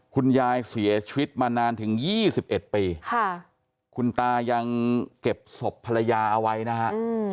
คุณยายเสียชีวิตมานานถึง๒๑ปีคุณตายังเก็บศพภรรยาเอาไว้นะฮะ